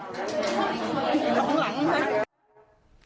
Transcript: หลังนะครับ